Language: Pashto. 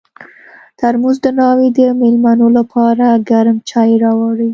ترموز د ناوې د مېلمنو لپاره ګرم چای راوړي.